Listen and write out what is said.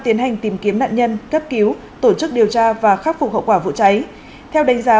tiến hành tìm kiếm nạn nhân cấp cứu tổ chức điều tra và khắc phục hậu quả vụ cháy theo đánh giá